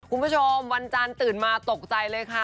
คุณผู้ชมวันจันทร์ตื่นมาตกใจเลยค่ะ